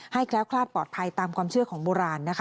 แคล้วคลาดปลอดภัยตามความเชื่อของโบราณนะคะ